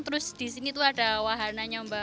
terus di sini ada wahananya